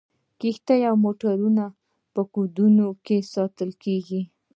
کښتۍ او موټرونه په ګودامونو کې ساتل کیږي